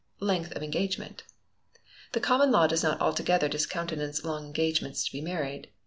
Length of Engagement. "The Common Law does not altogether discountenance long engagements to be married.